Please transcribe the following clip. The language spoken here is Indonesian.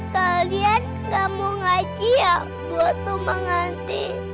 kalian gak mau ngaji ya buat umang hati